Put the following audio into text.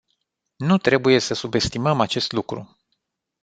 Nu trebuie să subestimăm acest lucru.